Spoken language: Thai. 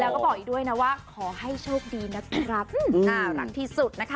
แล้วก็บอกอีกด้วยนะว่าขอให้โชคดีนะครับน่ารักที่สุดนะคะ